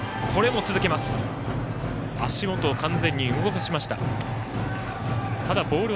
足元を完全に動かせました。